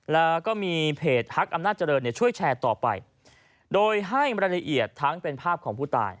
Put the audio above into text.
แล้วก็มีเพจฮักอำนาจเจริญช่วยแชร์ต่อไปโดยให้รายละเอียดทั้งเป็นภาพของผู้ตาย